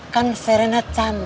kan serena cantik